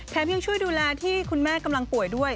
ยังช่วยดูแลที่คุณแม่กำลังป่วยด้วย